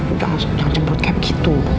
udah jangan cembrut kayak begitu